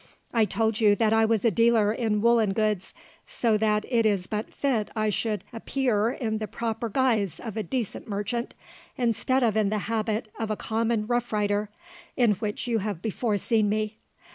"I told you that I was a dealer in woollen goods, so that it is but fit I should appear in the proper guise of a decent merchant, instead of in the habit of a common rough rider, in which you have before seen me.